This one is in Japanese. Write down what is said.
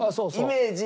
イメージ